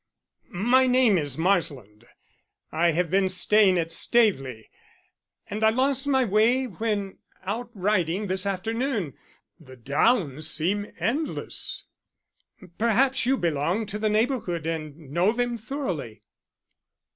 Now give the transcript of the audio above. My name is Marsland. I have been staying at Staveley, and I lost my way when out riding this afternoon the downs seem endless. Perhaps you belong to the neighbourhood and know them thoroughly."